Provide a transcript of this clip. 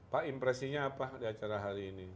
pak impresinya apa di acara hari ini